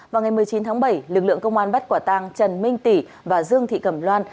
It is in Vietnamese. vào ngày một mươi chín tháng bảy lực lượng công an bắt quả tang trần minh tỷ và dương thị cẩm loan